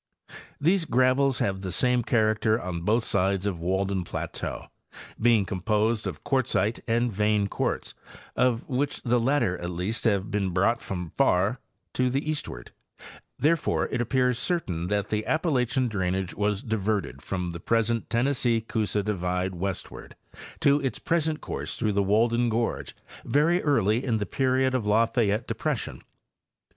These gravels have the same character on both sides of Walden plateau, being composed of quartzite and vein quartz, of which the latter at least must have been brought from far to the eastward ; therefore it appears cer tain that the Appalachian drainage was diverted from the present Tennessee Coosa divide westward to its present course through the Walden gorge very early in the period of Lafayette depres sion.